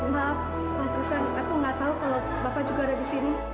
maaf mas kristen aku nggak tahu kalau bapak juga ada di sini